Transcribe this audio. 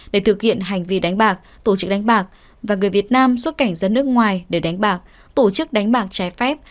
để thực hiện hành vi đánh bạc tổ chức đánh bạc và người việt nam xuất cảnh ra nước ngoài để đánh bạc tổ chức đánh bạc trái phép